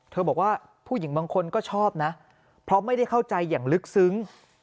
บอกว่าผู้หญิงบางคนก็ชอบนะเพราะไม่ได้เข้าใจอย่างลึกซึ้ง